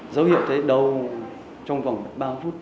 dấu hiệu thấy đau trong khoảng ba phút